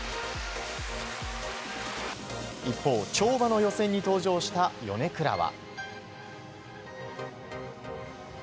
一方、跳馬の予選に登場した米倉は。